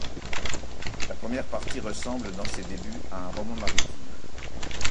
La première partie ressemble dans ses débuts à un roman maritime.